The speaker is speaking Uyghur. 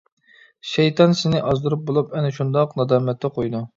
شەيتان سېنى ئازدۇرۇپ بولۇپ، ئەنە شۇنداق نادامەتتە قويىدۇ.